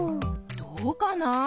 どうかな？